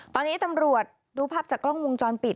ตอนนี้ตำรวจดูภาพจากกล้องวงจรปิด